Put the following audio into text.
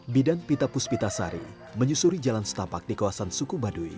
bidang pita puspita sari menyusuri jalan setapak di kawasan suku baduy